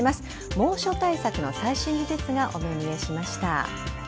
猛暑対策の最新技術がお目見えしました。